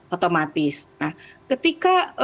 otomatis nah ketika